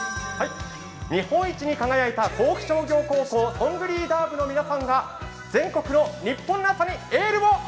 日本一に輝いた甲府商業高校ソングリーダー部の皆さんが全国のニッポンの朝にエールを！